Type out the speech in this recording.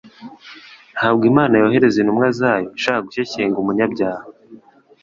Ntabwo Imana yohereza intumwa zayo ishaka gushyeshyenga umunyabyaha.